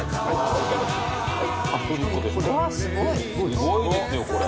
すごいですよこれ。